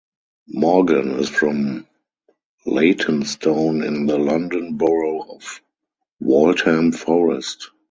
Morgan is from Leytonstone in the London Borough of Waltham Forest.